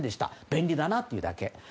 便利だなというだけ。